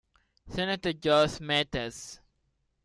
Senator George Smathers.